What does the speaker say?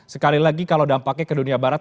sekali lagi kalau dampaknya ke dunia barat